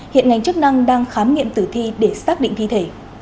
hiện ngành chức năng đang khám nghiệm tử thi để xác định thi thể